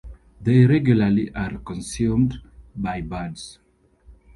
They regularly are consumed by birds.